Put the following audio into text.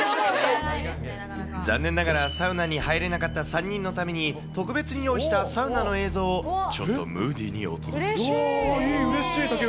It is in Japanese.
残念ながらサウナに入れなかった３人のために、特別に用意したサウナの映像を、ちょっとムーディーにお届けします。